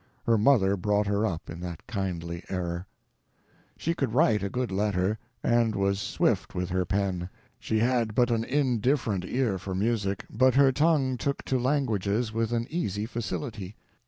Her mother brought her up in that kindly error. She could write a good letter, and was swift with her pen. She had but an indifferent ear for music, but her tongue took to languages with an easy facility.